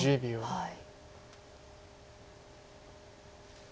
はい。